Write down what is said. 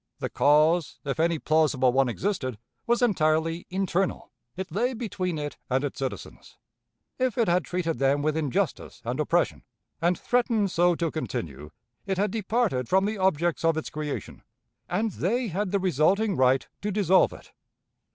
The cause, if any plausible one existed, was entirely internal. It lay between it and its citizens. If it had treated them with injustice and oppression, and threatened so to continue, it had departed from the objects of its creation, and they had the resulting right to dissolve it.